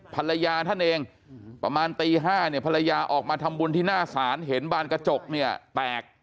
ภรรยาท่านเองประมาณตี๕เนี่ยภรรยาออกมาทำบุญที่หน้าศาลเห็นบานกระจกเนี่ยแตก